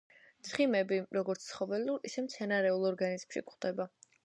ცხიმები როგორც ცხოველურ, ისე მცენარეულ ორგანიზმში გვხვდება.